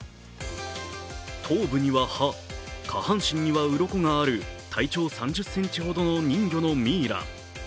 頭部には歯、下半身にはうろこがある体長３０ｃｍほどの人魚のミイラ。